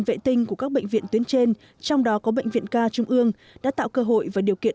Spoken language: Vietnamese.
vệ tinh của các bệnh viện tuyến trên trong đó có bệnh viện ca trung ương đã tạo cơ hội và điều kiện